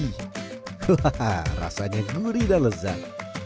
hahaha rasanya gurih dan lezat